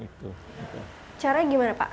itu cara gimana pak